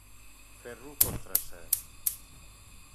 Ferro contra acer.